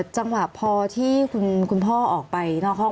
จังหวะพอที่คุณพ่อออกไปนอกห้อง